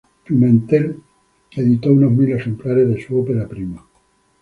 Pimentel editó unos mil ejemplares de su opera prima.